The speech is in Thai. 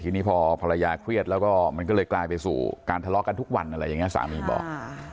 ทีนี้พอภรรยาเครียดแล้วก็มันก็เลยกลายไปสู่การทะเลาะกันทุกวันอะไรอย่างนี้สามีบอก